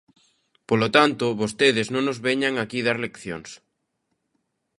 Polo tanto, vostedes non nos veñan aquí dar leccións.